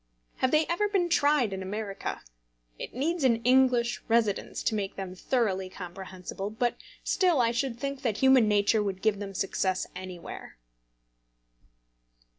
Have they ever been tried in America? It needs an English residence to make them thoroughly comprehensible; but still I should think that human nature would give them success anywhere."